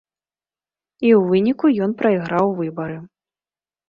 І ў выніку ён прайграў выбары.